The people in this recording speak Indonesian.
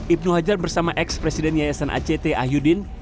ibnu hajar bersama ekspresiden yayasan act ah yudin